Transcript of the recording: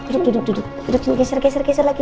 duduk duduk duduk keser keser keser lagi